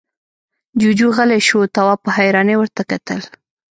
جُوجُو غلی شو، تواب په حيرانۍ ورته کتل…